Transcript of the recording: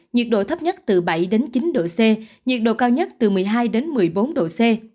nhiệt độ thấp nhất từ bảy chín độ c nhiệt độ cao nhất từ một mươi hai đến một mươi bốn độ c